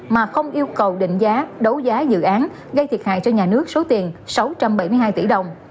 mà không yêu cầu định giá đấu giá dự án gây thiệt hại cho nhà nước số tiền sáu trăm bảy mươi hai tỷ đồng